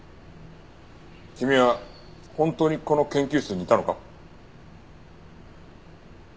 君は本当にこの研究室にいたのか？